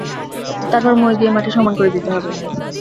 তারপর মই দিয়ে মাটি সমান করে দিতে হবে।